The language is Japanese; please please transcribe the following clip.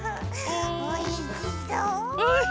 おいしそう！